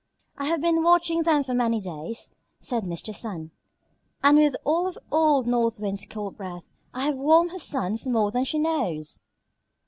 "I have been watching them for many days," said Mr. Sun, "and with all of old North Wind's cold breath I have warmed her sons more than she knows."